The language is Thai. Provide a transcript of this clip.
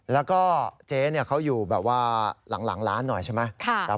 แล้วก็เจ๊เขาอยู่แบบว่าหลังร้านหน่อยใช่ไหม